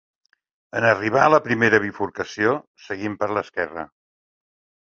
En arribar a la primera bifurcació, seguim per l'esquerra.